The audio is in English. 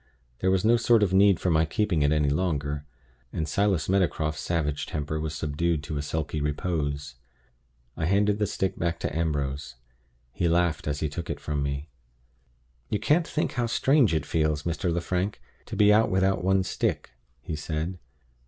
There was no sort of need for my keeping it any longer. John Jago was going away to Narrabee, and Silas Meadowcroft's savage temper was subdued to a sulky repose. I handed the stick back to Ambrose. He laughed as he took it from me. "You can't think how strange it feels, Mr. Lefrank, to be out without one's stick," he said.